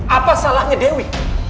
apa salahnya dewi